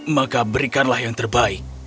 maka berikanlah yang terbaik